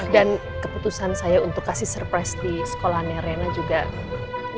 dan keputusan saya untuk kasih surprise di sekolah nerena juga ya